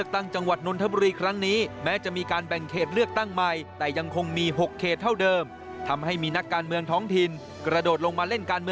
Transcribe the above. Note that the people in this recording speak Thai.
ติดตามจากรายงานครับ